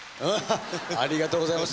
ありがとうございます。